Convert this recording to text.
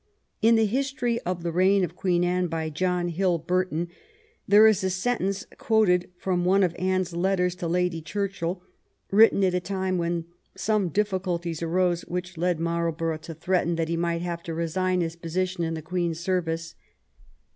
In the History of the Reign of Queen Anne, by John Hill Burton, there is a sentence quoted from one of Anne^s letters to Lady Churchill, written at a time when some difficulties arose which led Marlborough to threaten that he might have to resign his position in the Queen's service.